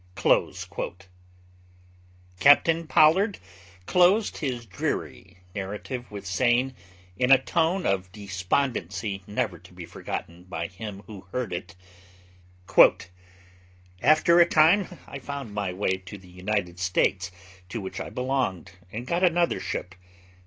Captain Pollard closed his dreary narrative with saying, in a tone of despondency never to be forgotten by him who heard it, 'After a time I found my way to the United States, to which I belonged, and got another ship.